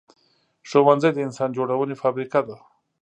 ښوونځی د انسان جوړونې فابریکه ده